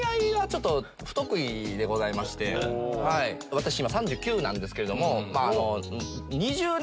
私今３９なんですけども。